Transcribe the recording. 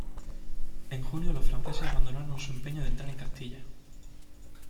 En junio los franceses abandonaron su empeño de entrar en Castilla.